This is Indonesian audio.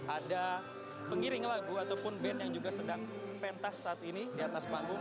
ada pengiring lagu ataupun band yang juga sedang pentas saat ini di atas panggung